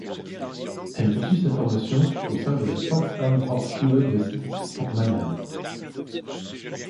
Elle poursuit sa formation au sein de la Folkwang Hochschule d'Essen en Allemagne.